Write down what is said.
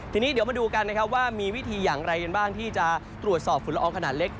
ทีนี้เดี๋ยวมาดูกันนะครับว่ามีวิธีอย่างไรกันบ้างที่จะตรวจสอบฝุ่นละอองขนาดเล็ก